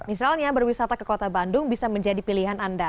misalnya berwisata ke kota bandung bisa menjadi pilihan anda